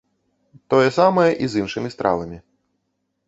Тое самае і з іншымі стравамі.